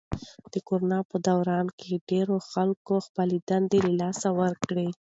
د کرونا په دوران کې ډېری خلکو خپلې دندې له لاسه ورکړې.